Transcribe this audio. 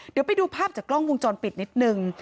เดี๋ยวไปดูภาพจากกล้องวงจรปิดนิดนึง